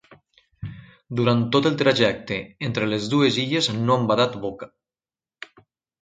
Durant tot el trajecte entre les dues illes no han badat boca.